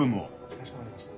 かしこまりました。